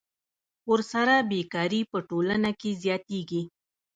ورسره بېکاري په ټولنه کې زیاتېږي